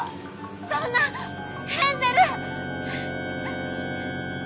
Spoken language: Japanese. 「そんなヘンゼル！」。